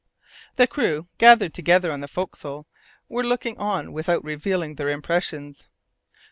The crew, gathered together on the forecastle, were looking on without revealing their impressions.